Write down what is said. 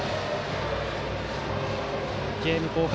ゲーム後半。